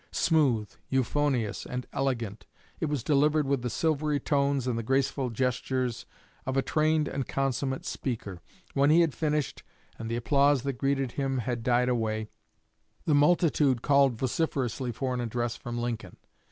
Smooth, euphonious, and elegant, it was delivered with the silvery tones and the graceful gestures of a trained and consummate speaker. When he had finished, and the applause that greeted him had died away, the multitude called vociferously for an address from Lincoln.